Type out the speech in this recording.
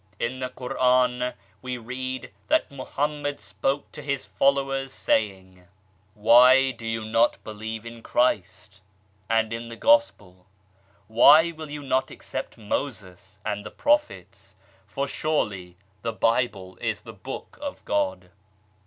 In the Quran we read that Mohammed spoke to his followers, saying :" Why do you not believe in Christ, and in the Gospel ? Why will you not accept Moses and the Prophets, for surely the Bible is the Book of God